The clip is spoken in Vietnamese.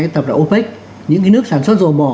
tập đạo opec những nước sản xuất dầu bò